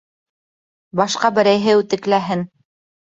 Башҡа берәйһе үтекләһен.